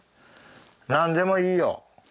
何でもいいよ。